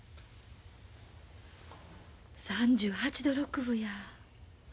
３８度６分や。